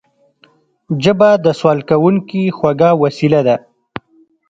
ژبه د سوال کوونکي خوږه وسيله ده